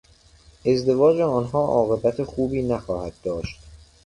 ازدواج آنها عاقبت خوبی نخواهد داشت.